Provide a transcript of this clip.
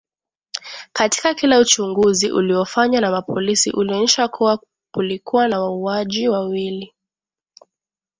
Katika kila uchunguzi uliofanywa na mapolisi ulionyesha kuwa kulikuwa na wauaji wawili